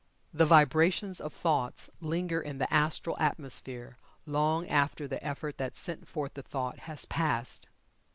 The vibrations of thoughts linger in the astral atmosphere long after the effort that sent forth the thought has passed.